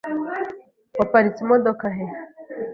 Waparitse imodoka he?